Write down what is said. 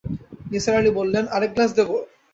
নিসার আলি বললেন, আরেক গ্লাস দেব?